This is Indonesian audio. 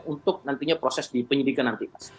untuk nantinya proses penyelidikan nanti